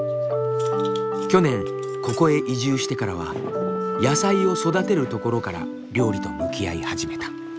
去年ここへ移住してからは野菜を育てるところから料理と向き合い始めた。